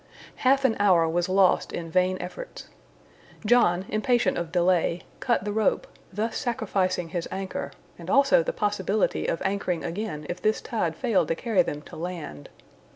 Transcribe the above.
Half an hour was lost in vain efforts. John, impatient of delay, cut the rope, thus sacrificing his anchor, and also the possibility of anchoring again if this tide failed to carry them to land.